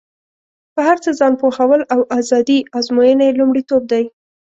په هر څه ځان پوهول او ازادي ازموینه یې لومړیتوب دی.